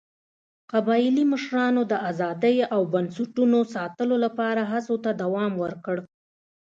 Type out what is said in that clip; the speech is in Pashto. قبایلي مشرانو د ازادۍ او بنسټونو ساتلو لپاره هڅو ته دوام ورکړ.